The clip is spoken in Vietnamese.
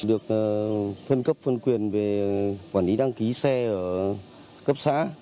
được phân cấp phân quyền về quản lý đăng ký xe ở cấp xã